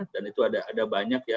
dan itu ada banyak ya